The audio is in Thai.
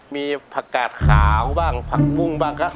มีผักกาดขาวบ้างผักบุ้งบ้างครับ